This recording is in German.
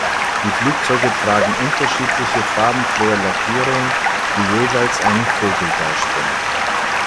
Die Flugzeuge tragen unterschiedliche, farbenfrohe Lackierungen, die jeweils einen Vogel darstellen.